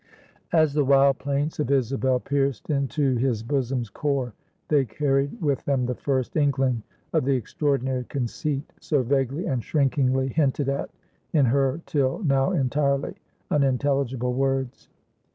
As the wild plaints of Isabel pierced into his bosom's core, they carried with them the first inkling of the extraordinary conceit, so vaguely and shrinkingly hinted at in her till now entirely unintelligible words.